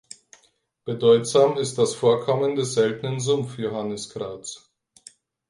Bedeutsam ist das Vorkommen des seltenen Sumpf-Johanniskrauts.